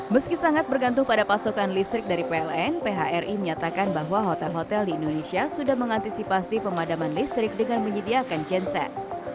meski sangat bergantung pada pasokan listrik dari pln phri menyatakan bahwa hotel hotel di indonesia sudah mengantisipasi pemadaman listrik dengan menyediakan genset